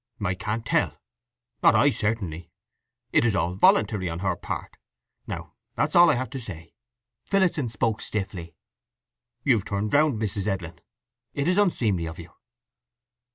"I can't tell. Not I certainly. It is all voluntary on her part. Now that's all I have to say." Phillotson spoke stiffly. "You've turned round, Mrs. Edlin. It is unseemly of you!"